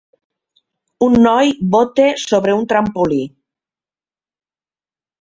Un noi bota sobre un trampolí.